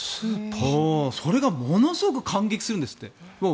それがものすごく感激するんですって。